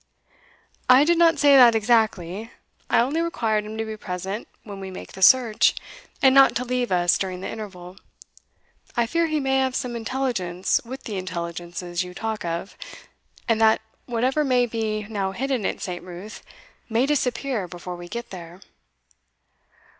"I did not say that exactly I only required him to be present when we make the search, and not to leave us during the interval. I fear he may have some intelligence with the Intelligences you talk of, and that whatever may be now hidden at Saint Ruth may disappear before we get there."